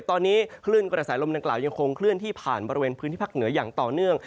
ตอนนี้คลื่นกระแสลมดังกล่าวยังคงเคลื่อนที่ผ่านบริเวณพื้นที่ภาคเหนืออย่างต่อเนื่อง